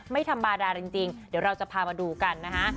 ไม่ธรรมดาจริงเดี๋ยวเราจะพามาดูกันนะฮะ